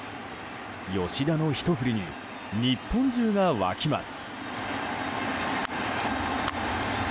吉田のひと振りに日本中が沸きます。